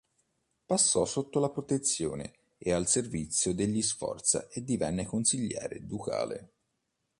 Passò sotto la protezione e al servizio degli Sforza e divenne consigliere ducale.